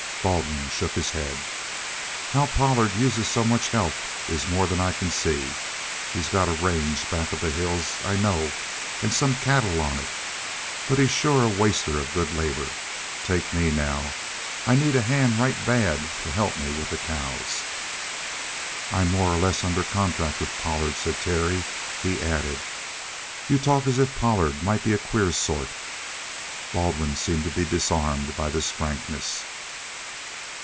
Baldwin shook his head. "How Pollard uses so much help is more'n I can see. He's got a range back of the hills, I know, and some cattle on it; but he's sure a waster of good labor. Take me, now. I need a hand right bad to help me with the cows." "I'm more or less under contract with Pollard," said Terry. He added: "You talk as if Pollard might be a queer sort." Baldwin seemed to be disarmed by this frankness.